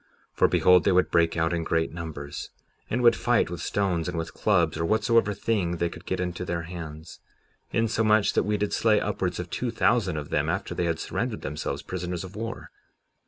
57:14 For behold, they would break out in great numbers, and would fight with stones, and with clubs, or whatsoever thing they could get into their hands, insomuch that we did slay upwards of two thousand of them after they had surrendered themselves prisoners of war.